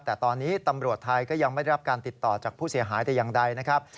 แต่ตอนนี้ตำรวจไทยก็ยังไม่ได้รับการติดต่อจากผู้เสียหายแต่อย่างใดนะครับ